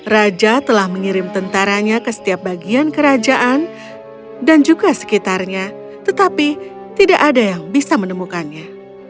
raja telah mengirim tentaranya ke setiap bagian kerajaan dan juga sekitarnya tetapi tidak ada yang bisa menemukannya